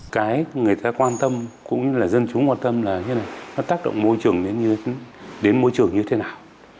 cái người ta quan tâm cũng như là dân chúng quan tâm là nó tác động môi trường đến môi trường như thế nào